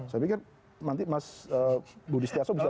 saya pikir nanti mas budi setiaso bisa